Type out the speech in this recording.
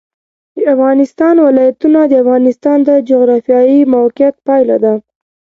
د افغانستان ولايتونه د افغانستان د جغرافیایي موقیعت پایله ده.